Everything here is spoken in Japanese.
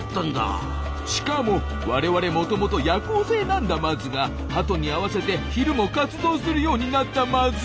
しかも我々もともと夜行性なんだマズがハトに合わせて昼も活動するようになったマズ。